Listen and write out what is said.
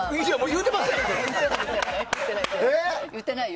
言ってないよ？